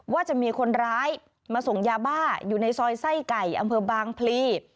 ว่าจะมีคนร้ายมาส่งยาบ้าอยู่ในซอยไส้ไก่อำเภอบางพลี